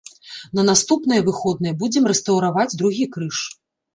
На наступныя выходныя будзем рэстаўраваць другі крыж.